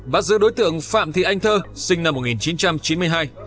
bắt giữ đối tượng phạm thị anh thơ sinh năm một nghìn chín trăm chín mươi hai